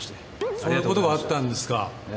そういうことがあったんですか。